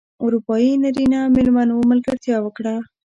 اروپايي نرینه مېلمنو ملګرتیا وکړه.